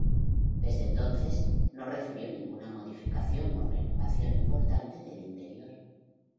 Desde entonces, no recibió ninguna modificación o renovación importante del interior.